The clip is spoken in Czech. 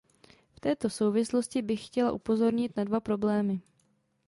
V této souvislosti bych chtěla upozornit na dva problémy.